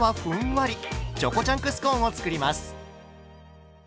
チョコチャンクスコーンを作ります。